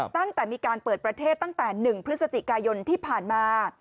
ตั้งแต่มีการเปิดประเทศตั้งแต่๑พฤศจิกายนที่ผ่านมา